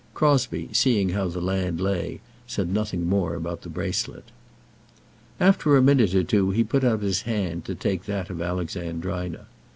Crosbie, seeing how the land lay, said nothing more about the bracelet. After a minute or two he put out his hand to take that of Alexandrina.